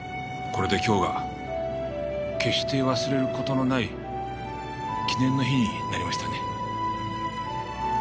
これで今日が決して忘れる事のない記念の日になりましたね。